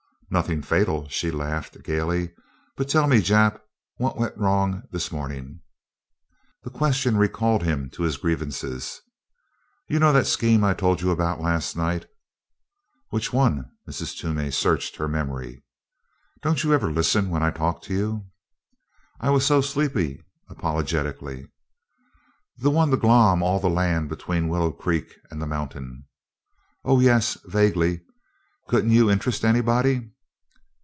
"Nothing fatal," she laughed gaily. "But tell me, Jap, what went wrong this morning?" The question recalled him to his grievances. "You know that scheme I told you about last night?" "Which one?" Mrs. Toomey searched her memory. "Don't you ever listen when I talk to you?" "I was so sleepy," apologetically. "That one to 'glom' all the land between Willow Creek and the mountain." "Oh, yes," vaguely. "Couldn't you interest anybody?"